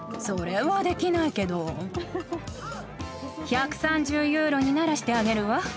それはできないけど１３０ユーロにならしてあげるわ。